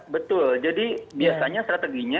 betul jadi biasanya strateginya